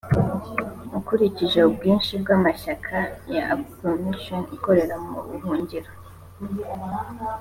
ukurikije ubwinshi bw’amashyaka ya oppisition ikorera mu buhungiro